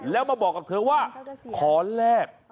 แล้วมาบอกกับเธอว่าขอแลก